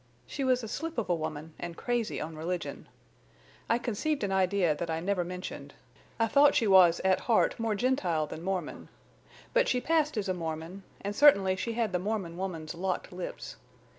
She was a slip of a woman, and crazy on religion. I conceived an idea that I never mentioned—I thought she was at heart more Gentile than Mormon. But she passed as a Mormon, and certainly she had the Mormon woman's locked lips.